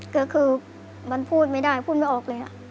ก็คือมันพูดไม่ได้พูดไม่ออกเลย